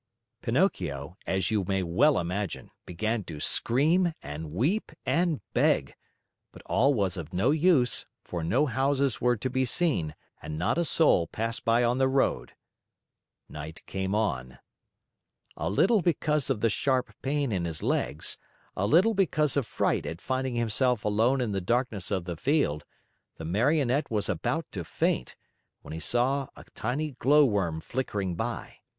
Pinocchio, as you may well imagine, began to scream and weep and beg; but all was of no use, for no houses were to be seen and not a soul passed by on the road. Night came on. A little because of the sharp pain in his legs, a little because of fright at finding himself alone in the darkness of the field, the Marionette was about to faint, when he saw a tiny Glowworm flickering by.